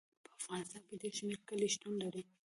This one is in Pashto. په افغانستان کې ډېر شمیر کلي شتون لري.